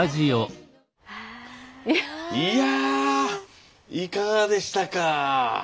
いやあいかがでしたか。